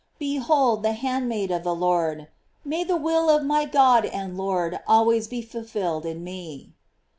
"Behold the handmaid of the Lord; " may the will of my God and Lord always bo fulfilled in me.